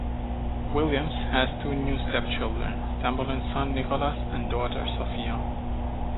Williams has two new step children, Sambolin's son Nicolas and daughter Sofia.